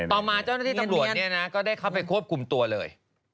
ต่อมาเจ้าหน้าที่ตำรวจเนี่ยนะก็ได้เข้าไปควบคุมตัวเลย